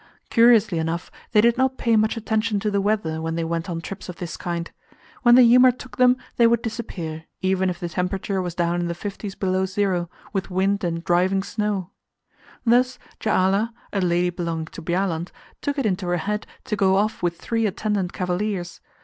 Curiously enough, they did not pay much attention to the weather when they went on trips of this kind. When the humour took them, they would disappear, even if the temperature was down in the fifties below zero, with wind and driving snow. Thus Jaala, a lady belonging to Bjaaland, took it into her head to go off with three attendant cavaliers.